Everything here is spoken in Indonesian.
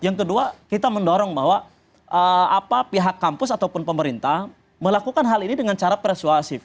yang kedua kita mendorong bahwa pihak kampus ataupun pemerintah melakukan hal ini dengan cara persuasif